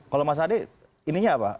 kalau mas ade ininya apa